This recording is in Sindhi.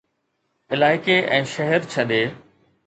علائقي ۽ شهر ڇڏي